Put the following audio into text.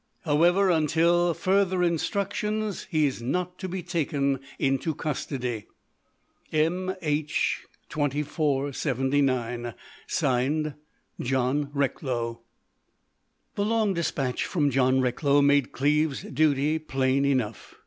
However, until further instructions he is not to be taken into custody. M. H. 2479._ "(Signed) "(John Recklow.)" The long despatch from John Recklow made Cleves's duty plain enough.